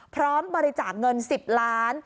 พร้อมบริจาคเงิน๑๐ล้าน